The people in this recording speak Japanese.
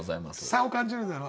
差を感じるだろ。